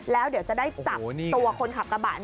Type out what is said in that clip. แล้วเดี๋ยวจะได้จับตัวคนขับกระบะ